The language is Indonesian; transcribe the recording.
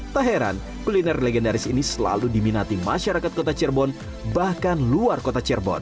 tak heran kuliner legendaris ini selalu diminati masyarakat kota cirebon bahkan luar kota cirebon